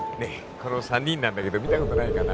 この三人なんだけど見たことないかな